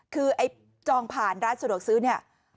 คือไอ้จองผ่านร้านสะดวกซื้อเนี่ย